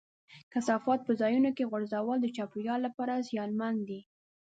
کثافات په ځایونو کې غورځول د چاپېریال لپاره زیانمن دي.